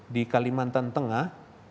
di kalimantan tengah